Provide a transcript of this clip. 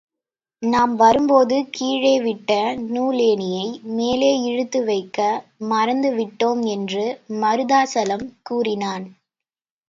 நாம் வரும்போது கீழே விட்ட நூலேணியை மேலே இழுத்து வைக்க மறந்துவிட்டோம் என்று மருதாசலம் கூறினான்.